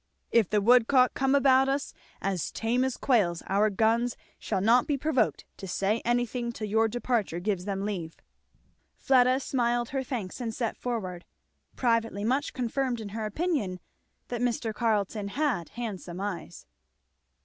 If the woodcock come about us as tame as quails our guns shall not be provoked to say anything till your departure gives them leave." Fleda smiled her thanks and set forward, privately much confirmed in her opinion that Mr. Carleton had handsome eyes.